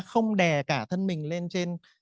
không đè cả thân mình lên trên